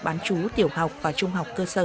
bán chú tiểu học và trung học cơ sở